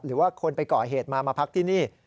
หรือว่าคนไปก่อเหตุมามาพักที่นี่